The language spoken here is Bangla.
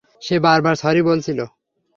সে বারবার সরি বলছিল।